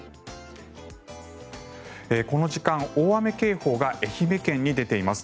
この時間、大雨警報が愛媛県に出ています。